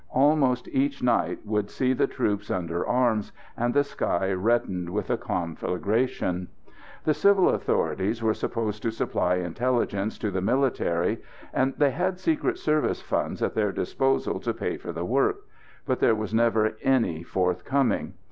Almost each night would see the troops under arms, and the sky reddened with a conflagration. The civil authorities were supposed to supply intelligence to the military, and they had secret service funds at their disposal to pay for the work, but there was never any forthcoming.